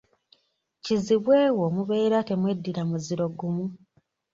Kizibwe wo mubeera temweddira muziro gumu.